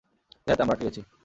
ধ্যাত, আমরা আটকে গেছি।